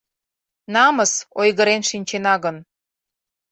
Намыс, ойгырен шинчена гын